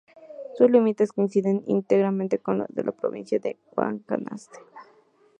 Sus límites coinciden íntegramente con los de la provincia de Guanacaste.